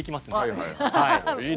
いいね。